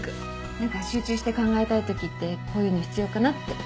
何か集中して考えたいときってこういうの必要かなって。